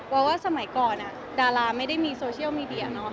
เสมือสมัยก่อนมาดาราไม่ได้มีโซเชียลมีเดีย